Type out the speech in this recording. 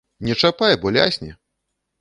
Не чапай, бо лясне!